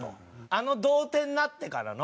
あの同点になってからの。